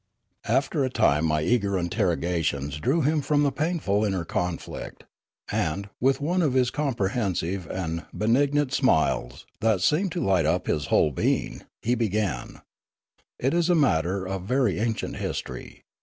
After a time my eager interrogations drew him from the painful inner conflict, and, with one of his compre hensive and benignant smiles, that seemed to light up his whole being, he began :" It is a matter of very ancient history.